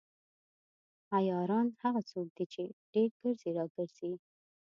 عیاران هغه څوک دي چې ډیر ګرځي راګرځي.